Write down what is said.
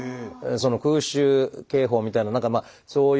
空襲警報みたいな何かまあそういうの。